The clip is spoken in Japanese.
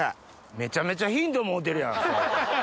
めちゃめちゃヒントもろてるやん。